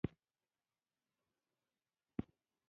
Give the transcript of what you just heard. ایا زه باید په ناسته ډوډۍ وخورم؟